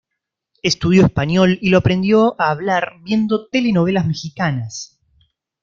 Estudió español, y lo aprendió a hablar viendo telenovelas mexicanas.